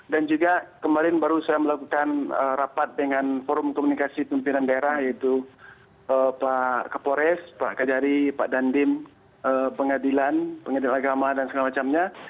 dan juga kemarin baru saya melakukan rapat dengan forum komunikasi tumpiran daerah yaitu pak kapolres pak kajari pak dandim pengadilan pengadilan agama dan segala macamnya